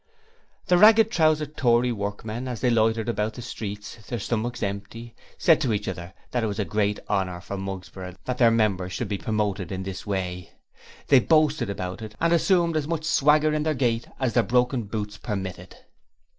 The ragged trousered Tory workmen as they loitered about the streets, their stomachs empty, said to each other that it was a great honour for Mugsborough that their Member should be promoted in this way. They boasted about it and assumed as much swagger in their gait as their broken boots permitted.